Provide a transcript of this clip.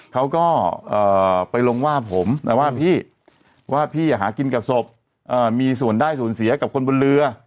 เขาก็ไปลงว่าผมนะว่าพี่ว่าพี่หากินกับศพมีส่วนได้ส่วนเสียกับคนบนเรือ